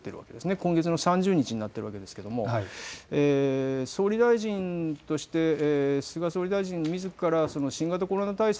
今月の３０日になっているわけですが総理大臣として菅総理大臣みずからが新型コロナ対策